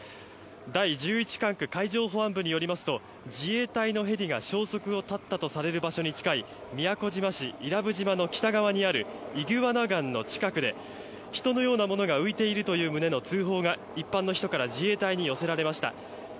第１１管区海上保安部によりますと自衛隊のヘリが消息を絶った場所に近いとされる宮古島伊良部島のイグアナ岩の近くで人のようなものが浮いているという旨の通報が一般の人から自衛隊に寄せられました。